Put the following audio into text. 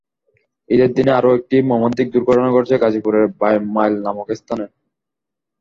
ঈদের দিনেই আরও একটি মর্মান্তিক দুর্ঘটনা ঘটেছে গাজীপুরের বাইমাইল নামক স্থানে।